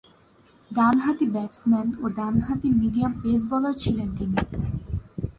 ডানহাতি ব্যাটসম্যান ও ডানহাতি মিডিয়াম পেস বোলার ছিলেন তিনি।